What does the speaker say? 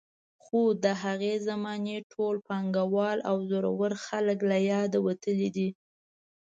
خو د هغې زمانې ټول پانګوال او زورور خلک له یاده وتلي دي.